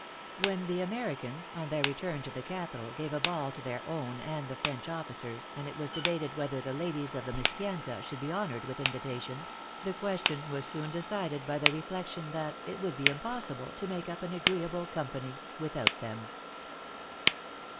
When the Americans, on their return to the capital, gave a ball to their own and the French officers, and it was debated whether the ladies of the Mischianza should be honored with invitations, the question was soon decided by the reflection that it would be impossible to make up an agreeable company without them.